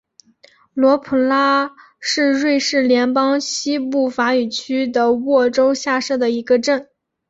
罗普拉是瑞士联邦西部法语区的沃州下设的一个镇。